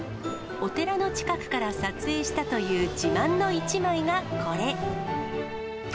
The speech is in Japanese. お寺の近くから撮影したという自慢の一枚がこれ。